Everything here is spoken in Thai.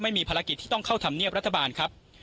ไม่มีภารกิจที่ต้องเข้าธรรมเนียบรัฐบาลครับ